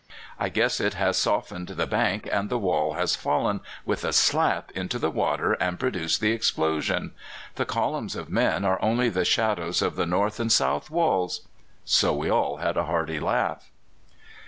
I guess it has softened the bank, and the wall has fallen with a slap into the water and produced the explosion. The columns of men are only the shadows of the north and south walls.' So we all had a hearty laugh."